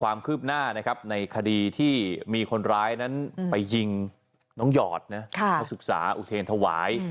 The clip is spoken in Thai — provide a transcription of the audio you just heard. ความคืบหน้านะครับในคดีที่มีคนร้ายนั้นไปยิงน้องหยอดนะศึกษาอุเทรนธวาย